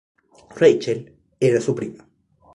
Rachel, era su prima.